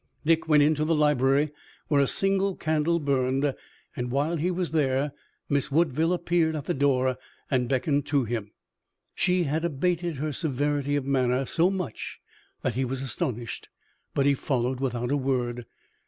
Dick went into the library, where a single candle burned, and while he was there Miss Woodville appeared at the door and beckoned to him. She had abated her severity of manner so much that he was astonished, but he followed without a word.